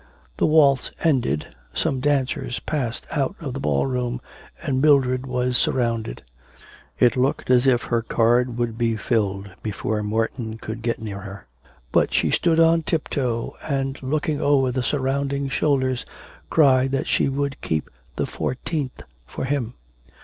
The waltz ended, some dancers passed out of the ball room, and Mildred was surrounded. It looked as if her card would be filled before Morton could get near her. But she stood on tiptoe and, looking over the surrounding shoulders, cried that she would keep the fourteenth for him.